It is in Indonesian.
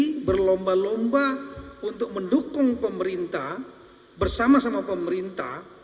jadi berlomba lomba untuk mendukung pemerintah bersama sama pemerintah